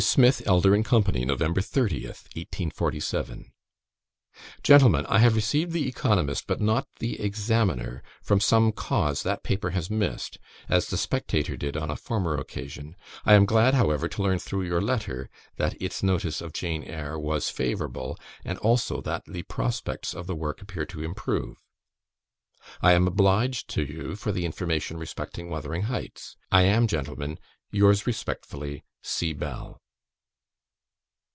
SMITH, ELDER, AND CO. "Nov. 30th, 1847. "Gentlemen, I have received the Economist, but not the Examiner; from some cause that paper has missed, as the Spectator did on a former occasion; I am glad, however, to learn through your letter, that its notice of "Jane Eyre" was favourable, and also that the prospects of the work appear to improve. "I am obliged to you for the information respecting "Wuthering Heights". I am, Gentlemen, yours respectfully, "C. BELL."